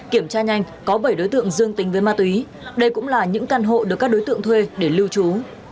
kiểm tra nhanh có bảy đối tượng dương tình với ma túy đây cũng là những căn hộ được các đối tượng thuê để lưu trú